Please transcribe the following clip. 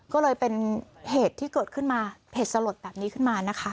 ก็เลยเป็นเหตุที่เกิดขึ้นมาเหตุสลดแบบนี้ขึ้นมานะคะ